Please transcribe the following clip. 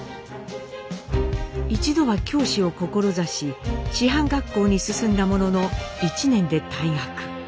一度は教師を志し師範学校に進んだものの１年で退学。